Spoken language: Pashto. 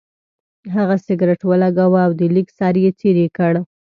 هغه سګرټ ولګاوه او د لیک سر یې څېرې کړ.